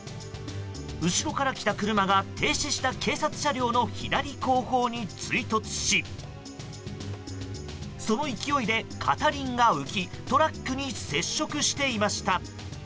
後ろから来た車が停止した警察車両の左後方に追突しその勢いで片輪が浮きトラックに接触していました。